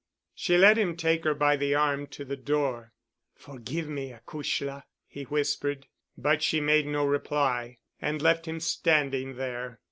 She let him take her by the arm to the door. "Forgive me, acushla," he whispered. But she made no reply and left him standing there.